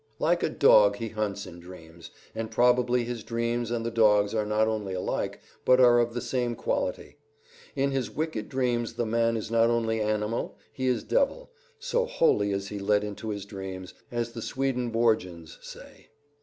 "Like a dog, he hunts in dreams," and probably his dreams and the dog's are not only alike, but are of the same quality. In his wicked dreams the man is not only animal, he is devil, so wholly is he let into his evils, as the Swedenborgians say.